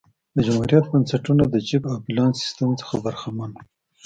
د جمهوریت بنسټونه د چک او بیلانس سیستم څخه برخمن وو